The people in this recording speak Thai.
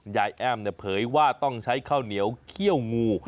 แอ้มเผยว่าต้องใช้ข้าวเหนียวเขี้ยวงู